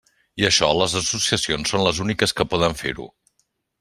I això les associacions són les úniques que poden fer-ho.